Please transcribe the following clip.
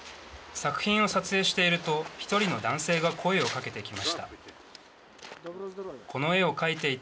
作品を撮影していると１人の男性が声をかけてきました。